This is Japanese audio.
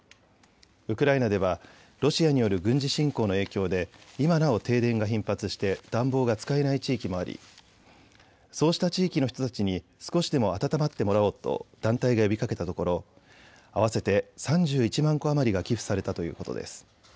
ウクライナではロシアによる軍事侵攻の影響で今なお停電が頻発して暖房が使えない地域もありそうした地域の人たちに少しでも暖まってもらおうと団体が呼びかけたところ合わせて３１万個余りが寄付されたということです。